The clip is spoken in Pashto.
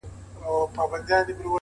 د باران ورو ورو ختمېدل سکون زیاتوي!